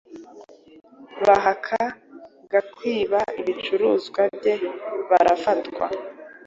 bahaka gakwiba ibicuruzwa bye barafatwa